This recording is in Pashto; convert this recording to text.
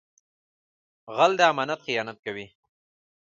غل د امانت خیانت کوي